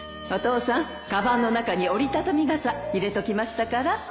お父さんかばんの中に折り畳み傘入れときましたから